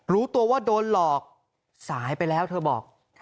รู้ตัวว่าโดนหลอกสายไปแล้วเธอบอก